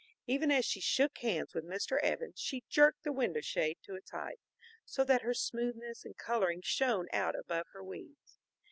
Even as she shook hands with Mr. Evans, she jerked the window shade to its height, so that her smoothness and coloring shone out above her weeds.